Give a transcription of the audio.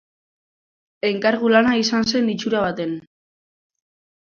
Enkargu-lana izan zen itxura baten.